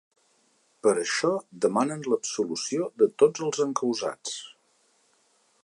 Per això, demanen l’absolució de tots els encausats.